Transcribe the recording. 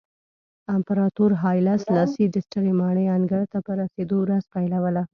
امپراتور هایله سلاسي د سترې ماڼۍ انګړ ته په رسېدو ورځ پیلوله.